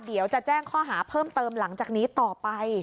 เดี๋ยวจะแจ้งข้อหาเพิ่มเติมหลังจากนี้ต่อไป